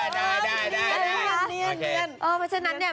ได้ได้ได้ได้เนียนเนียนเนียนเออแต่ฉะนั้นเนี่ย